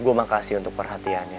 gue makasih untuk perhatiannya